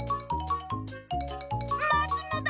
まつのだ！